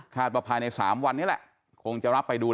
ค่ะ